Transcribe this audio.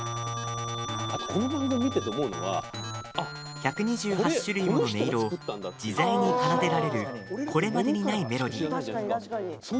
１２８種類もの音色を自在に奏でられるこれまでにないメロディー。